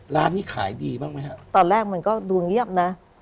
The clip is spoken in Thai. ร้านนี้ขายดีบ้างไหมฮะตอนแรกมันก็ดูเงียบนะ